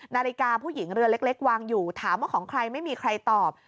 นาฬิกาผู้หญิงเรือเล็กวางอยู่ถามว่าของใครไม่มีใครตอบ